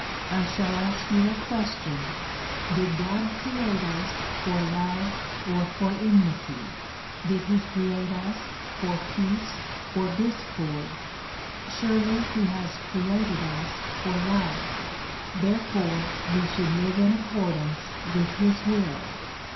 I shall ask you a question : Did God create us for love or for enmity? Did he create us for peace or discord? Surely he has created us for love; therefore we should live in accordance with his will.